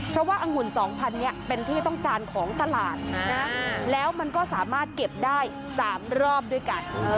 เพราะว่าอังุ่น๒๐๐นี้เป็นที่ต้องการของตลาดแล้วมันก็สามารถเก็บได้๓รอบด้วยกัน